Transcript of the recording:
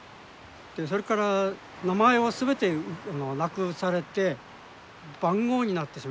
それから名前を全てなくされて番号になってしまいます。